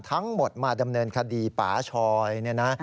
ทั้งหมดมาดำเนินคดีป่าชอยเนี่ยนะ